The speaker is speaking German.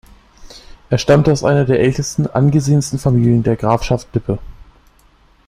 Er stammte aus einer der ältesten, angesehensten Familien der Grafschaft Lippe.